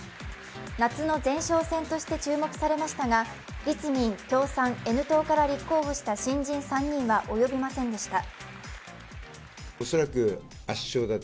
夏の前哨戦として注目されましたが、立民・共産・Ｎ党から立候補した新人３人は及びませんでした。